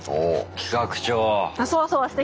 企画長。